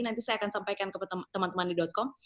nanti saya akan sampaikan ke teman teman di com